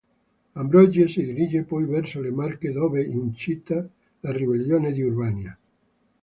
Ambrogio si dirige poi verso le Marche dove incita la ribellione di Urbania.